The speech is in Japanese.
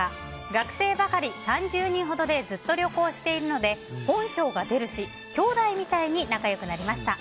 学生ばかり３０人ほどでずっと旅行しているので本性が出るしきょうだいみたいに仲良くなりました。